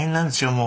もう。